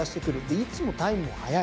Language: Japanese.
いつもタイムも速い。